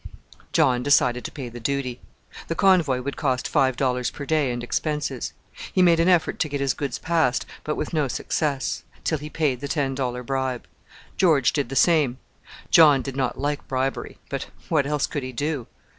John decided to pay the duty. The convoy would cost $5.00 per day and expenses. He made an effort to get his goods passed, but without success till he paid the ten dollar bribe. George did the same. John did not like bribery; but what else could he do?